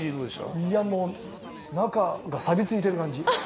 いやもう中がさびついてる感じ！